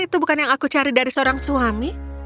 itu bukan yang aku cari di dalam suara suami